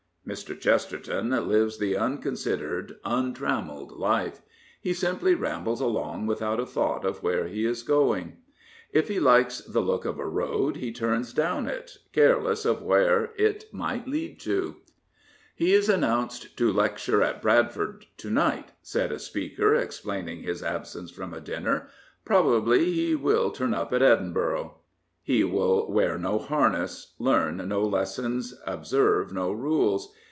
Mr. Chesterton lives the unconsidered, untrammelled life. He simply rambles along without a thought of where he is going. If he 33 ^ Gilbert K. Chesterton likes the look of a road he turns down it, careless of where it may lead to. *' He is announced to lecture at Bradford to night," said a speaker, explaining his absence from a dinner. " Probably he will turn up at Edinburgh." He will wear no harness, learn no lessons, observe no rules.